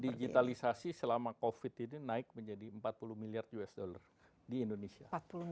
jadi digitalisasi selama covid ini naik menjadi empat puluh miliar usd di indonesia